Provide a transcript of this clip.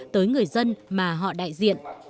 tới người dân mà họ đại diện